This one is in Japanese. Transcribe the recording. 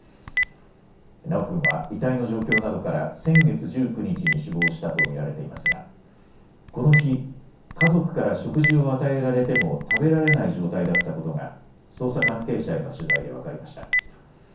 修君は遺体の状況などから先月１９日に死亡したと見られていますがこの日、家族から食事を与えられても食べられない状態だったことが捜査関係者への取材で分かりました。